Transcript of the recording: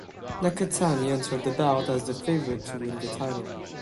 Nakatani entered the bout as the favorite to win the title.